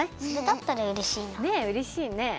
それだったらうれしいな。